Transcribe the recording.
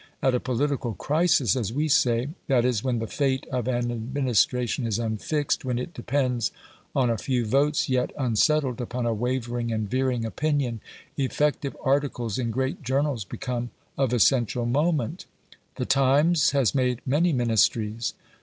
At a political "crisis," as we say that is, when the fate of an administration is unfixed, when it depends on a few votes yet unsettled, upon a wavering and veering opinion effective articles in great journals become of essential moment. The Times has made many ministries.